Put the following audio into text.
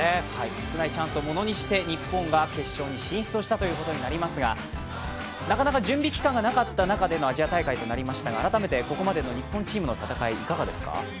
少ないチャンスをものにして、日本が決勝に進出したという形になりましたがなかなか準備期間がなかった中でのアジア大会になりましたけれども改めてここまでの日本チームの戦い、いかがですか？